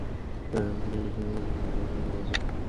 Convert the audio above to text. তাই আপনারা নিশ্চিত নন গ্যাসপাত্র অক্ষত আছে কি না।